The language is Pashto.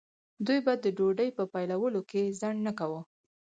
دوی به د ډوډۍ په پیلولو کې ځنډ نه کاوه.